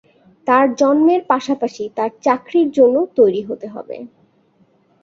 তার জন্মের পাশাপাশি তার চাকরির জন্য তৈরি হতে হবে।